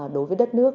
đối với đất nước